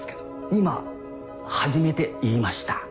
今初めて言いました。